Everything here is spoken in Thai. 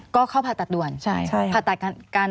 ก็เข้าผ่าตัดด่วน